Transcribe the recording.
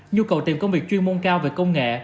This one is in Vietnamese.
nhu cầu tìm công việc chuyên môn cao về công nghệ